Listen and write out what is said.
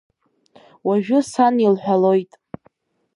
Уажәы сан илҳәалоит…